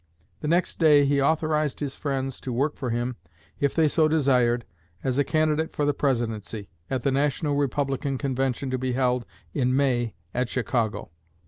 The next day he authorized his friends to work for him, if they so desired, as a candidate for the Presidency, at the National Republican convention to be held in May at Chicago.